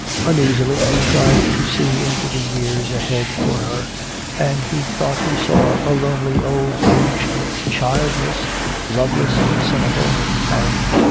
Uneasily he tried to see into the years ahead for her, and he thought he saw a lonely old age, childless, loveless, cynical, hard.